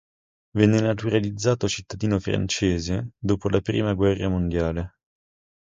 Venne naturalizzato cittadino francese dopo la prima guerra mondiale.